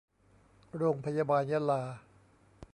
โรงพยาบาลยะลา